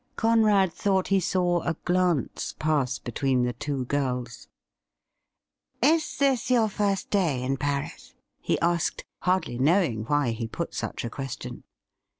Conrad thought he saw a glance pass between the two girls. 'Is this your first day in Paris.?' he asked, hardly knowing why he put such a question.